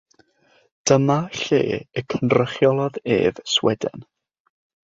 Dyma lle y cynrychiolodd ef Sweden,